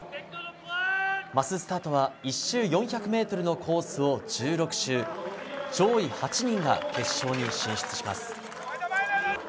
マススタートは１周４００ｍのコースを１６周上位８人が決勝に進出します。